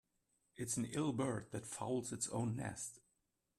It's an ill bird that fouls its own nest.